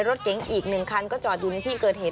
รถเก๋งอีก๑คันก็จอดอยู่ในที่เกิดเหตุ